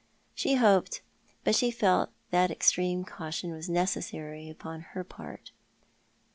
She hoped, but she felt that extreme caution was necessary upon her part.